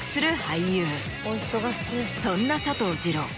そんな佐藤二朗